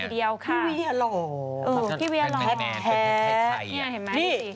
พี่เวียล่อแท้